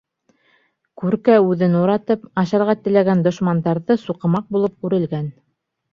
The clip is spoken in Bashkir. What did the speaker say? Күркә үҙен уратып, ашарға теләгән дошмандарҙы суҡымаҡ булып үрелгән.